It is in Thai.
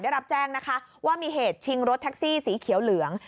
ได้รับแจ้งนะคะว่ามีเหตุชิงรถแท็กซี่สีเขียวเหลือง